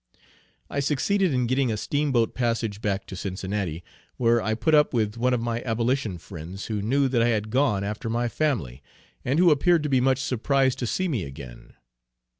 I succeeded in getting a Steamboat passage back to Cincinnati, where I put up with one of my abolition friends who knew that I had gone after my family, and who appeared to be much surprised to see me again.